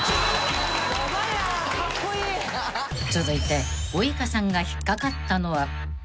［続いてウイカさんが引っ掛かったのは］